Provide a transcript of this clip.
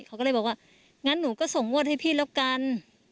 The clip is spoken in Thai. เขาก็เลยบอกว่างั้นหนูก็ส่งงวดให้พี่แล้วกัน